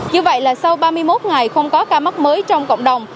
như vậy là sau ba mươi một ngày không có ca mắc mới trong cộng đồng